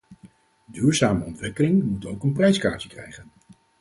Duurzame ontwikkeling moet ook een prijskaartje krijgen.